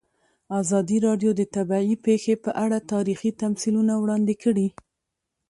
ازادي راډیو د طبیعي پېښې په اړه تاریخي تمثیلونه وړاندې کړي.